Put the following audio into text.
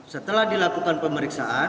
setelah dilakukan pemeriksaan